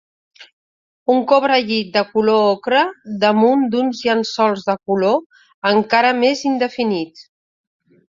Un cobrellit de color ocre damunt d'uns llençols de color encara més indefinit.